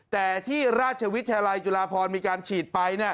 แต่ที่ราชวิทยาลัยจุฬาพรมีการฉีดไป